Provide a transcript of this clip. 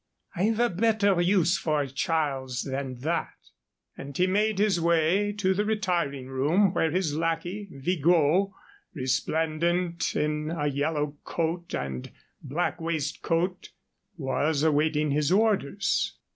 I've a better use for Charles than that," and he made his way to the retiring room, where his lackey, Vigot, resplendent in a yellow coat and black waistcoat, was awaiting his orders.